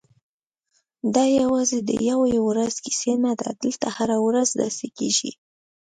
دا یوازې د یوې ورځې کیسه نه ده، دلته هره ورځ داسې کېږي.